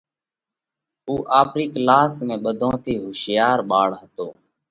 اُو آپرِي ڪلاس ۾ ٻڌون ٿِي هوشِيار ٻاۯ هتو۔